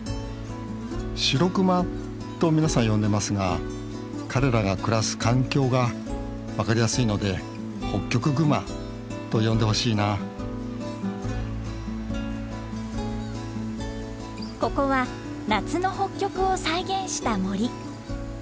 シロクマと皆さん呼んでますが彼らが暮らす環境が分かりやすいのでホッキョクグマと呼んでほしいなここは夏の北極を再現した森。